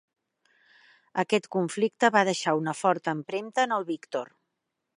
Aquest conflicte va deixar una forta empremta en el Victor.